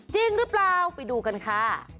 จริงหรือเปล่าไปดูกันค่ะ